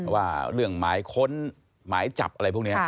ว่าเรื่องหมายค้นหมายจับอะไรพวกนี้